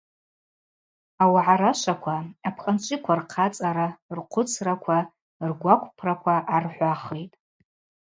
Ауагӏа рашваква апхъанчӏвиква рхъацӏара, рхъвыцраква, ргвакъвпраква гӏархӏвахитӏ.